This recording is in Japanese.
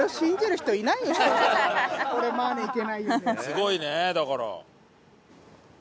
すごいねだから。